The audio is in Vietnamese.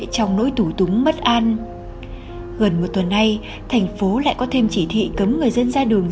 trong nỗi tủ túng bất an gần một tuần nay thành phố lại có thêm chỉ thị cấm người dân ra đường